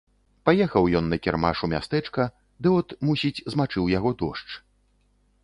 Паехаў ён на кірмаш у мястэчка, ды от, мусіць, змачыў яго дождж.